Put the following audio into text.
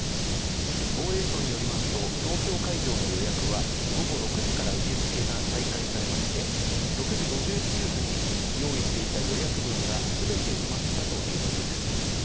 防衛省によりますと東京会場の予約は午後６時から受付が再開されまして６時５９分に用意していた予約分が全て埋まったということです。